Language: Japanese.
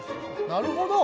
なるほど。